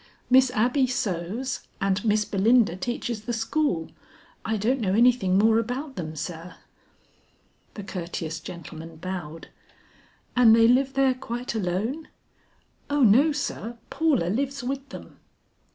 "Miss Abby sews and Miss Belinda teaches the school. I don't know anything more about them, sir." The courteous gentleman bowed. "And they live there quite alone?" "O no sir, Paula lives with them."